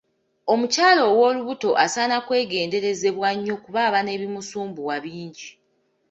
Omukyala owoolubuto asaana kwegenderezebwa nnyo kuba aba n'ebimusumbuwa bingi.